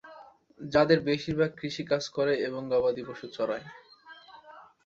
যাদের বেশিরভাগ কৃষি কাজ করে এবং গবাদি পশু চরায়।